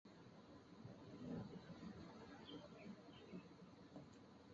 五官中郎将曹丕和王忠跟随曹操外出。